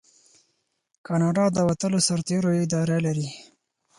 کاناډا د وتلو سرتیرو اداره لري.